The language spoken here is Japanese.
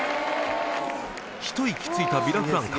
ひと息ついた『ビラフランカ』